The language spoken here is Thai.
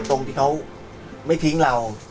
ตรงที่เขาไม่ทิ้งเรา